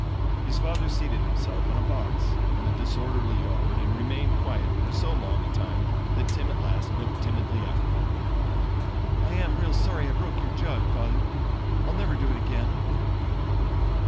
His father seated himself on a box in the disorderly yard and remained quiet for so long a time that Tim at last looked timidly up. "I am real sorry I broke your jug, Father. I'll never do it again."